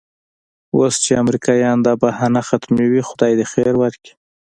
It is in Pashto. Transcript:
اوس چې امریکایان دا بهانه ختموي خدای دې خیر ورکړي.